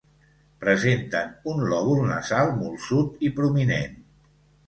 Presenten un lòbul nasal molsut i prominent.